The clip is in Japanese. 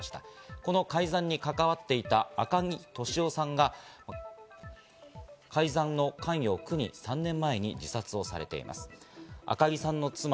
この改ざんに関わっていた赤木俊夫さんが改ざんの関与を苦に３年前に自殺されています。